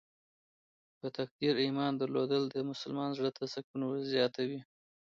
په تقدیر ایمان درلودل د مسلمان زړه ته سکون زیاتوي.